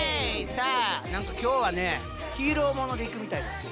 さあ何か今日はねヒーローものでいくみたいやで。